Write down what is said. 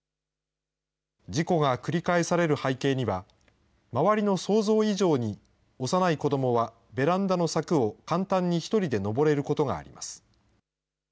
事故が繰り返される背景には、周りの想像以上に、幼い子どもはベランダの柵を簡単に１人で登れることがあります。